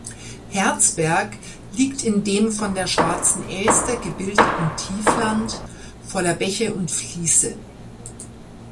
Herzberg liegt in dem von der Schwarzen Elster gebildeten Tiefland voller Bäche und Fließe.